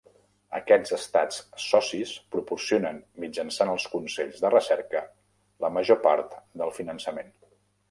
Aquests estats socis proporcionen, mitjançant els consells de recerca, la major part del finançament.